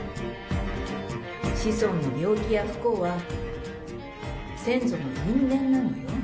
子孫の病気や不幸は先祖の因縁なのよ。